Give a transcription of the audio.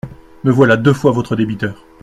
Me voilà deux fois votre débiteur.